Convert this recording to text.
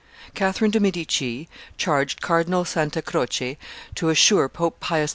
Catherine de' Medici charged Cardinal Santa Croce to assure Pope Pius V.